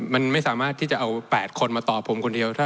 มันไม่สามารถที่จะเอา๘คนมาตอบผมคนเดียว